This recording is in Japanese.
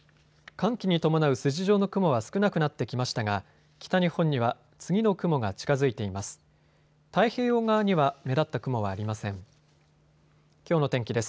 寒気に伴う筋状の雲は少なくなってきましたが北日本には次の雲が近づいています。